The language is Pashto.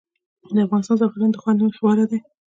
د افغانستان زعفران د خوند له مخې غوره دي